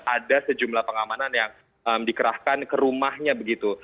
ada sejumlah pengamanan yang dikerahkan ke rumahnya begitu